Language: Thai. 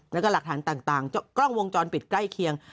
แล้วก็หลักฐานต่างกล้องวงจรปิดใกล้เคียง